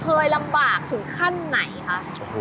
เคยลำบากถึงขั้นไหนคะ